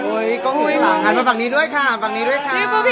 สวัสดีครับ